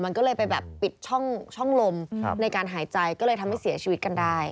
มันก็เลยไปแบบปิดช่องลมในการหายใจก็เลยทำให้เสียชีวิตกันได้